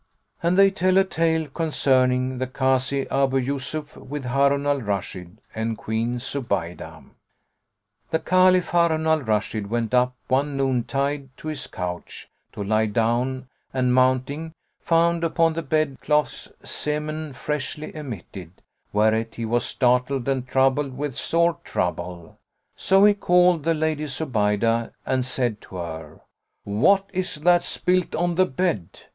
And they tell a tale concerning THE KAZI ABU YUSUF WITH HARUN AL RASHID AND QUEEN ZUBAYDAH The Caliph Harun al Rashid went up one noon tide to his couch, to lie down; and mounting, found upon the bed clothes semen freshly emitted; whereat he was startled and troubled with sore trouble. So he called the Lady Zubaydah and said to her, "What is that spilt on the bed?"